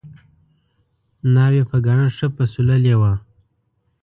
ناوې په ګاڼه ښه پسوللې وه